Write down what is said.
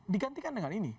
digantikan dengan ini